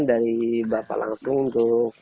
dari bapak langsung untuk